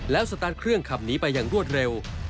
แล้วสตาร์ทเครื่องขับหนีไปอย่างรวดเร็ว